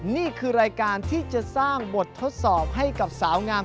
นี่คือรายการที่จะสร้างบททดสอบให้กับสาวงาม